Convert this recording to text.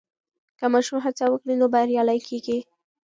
که ماشوم هڅه وکړي نو بریالی کېږي.